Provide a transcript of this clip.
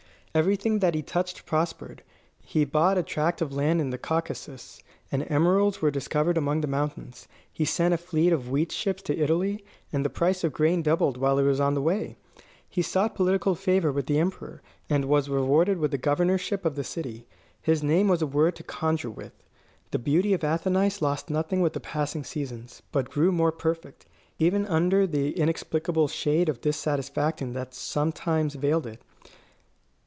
Everything that he touched prospered. He bought a tract of land in the Caucasus, and emeralds were discovered among the mountains. He sent a fleet of wheat ships to Italy, and the price of grain doubled while it was on the way. He sought political favour with the emperor, and was rewarded with the governorship of the city. His name was a word to conjure with. The beauty of Athenais lost nothing with the passing seasons, but grew more perfect, even under the inexplicable shade of dissatisfaction that sometimes veiled it.